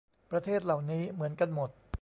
ประเทศเหล่านี้เหมือนกันหมด